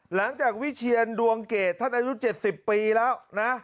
หลังจากวิเชียรดวงเกตท่านอายุ๗๐ปีแล้วนะ